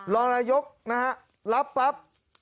รรยกษ์นะฮะรับปั๊บ